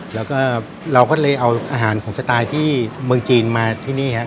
แล้วก็เราก็เลยเอาอาหารของสไตล์ที่เมืองจีนมาที่นี่ครับ